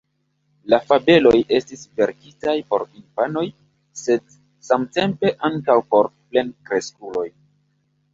La fabeloj estis verkitaj por infanoj, sed samtempe ankaŭ por plenkreskuloj.